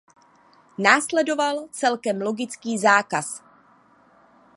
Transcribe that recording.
Následoval celkem logický zákaz.